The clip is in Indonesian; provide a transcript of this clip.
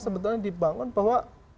sebetulnya dibangun bahwa